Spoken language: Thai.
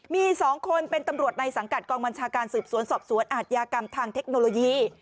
มี๒คนเป็นตำรวจในสังกัดกองบัญชาการสืบสวนสอบสวนอาทยากรรมทางเทคโนโลยี